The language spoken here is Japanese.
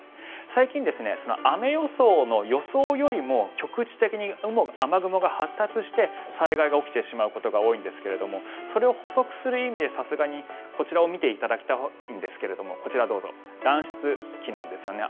最近、雨予想の予想よりも局地的に雨雲が発達して災害が起きてしまうことが多いんですがそれを補足する意味でこちらを見ていただきたいですがこちら、暖湿気なんですよね。